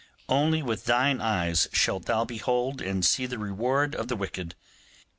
Only with thine eyes shalt thou behold and see the reward of the wicked.